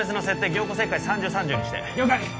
凝固切開３０−３０にして了解！